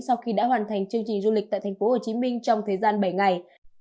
sau khi đã hoàn thành chương trình du lịch tại thành phố hồ chí minh trong thời gian bảy ngày